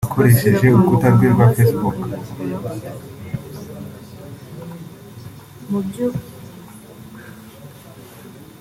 Akoresheje urukuta rwe rwa Facebook